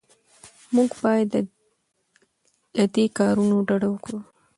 موږ باید له دې کارونو ډډه وکړو.